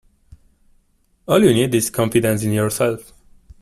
All you need is confidence in yourself.